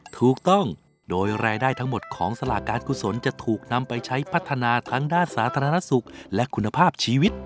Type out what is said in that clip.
ถูกต้องโดยรายได้ทั้งหมดของสลากการกุศลจะถูกนำไปใช้พัฒนาทั้งด้านสาธารณสุขและคุณภาพชีวิต